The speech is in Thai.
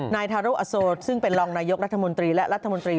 นายทารุอโซซึ่งเป็นรองนายกรัฐมนตรีและรัฐมนตรี